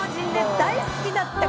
大好きだったこれ。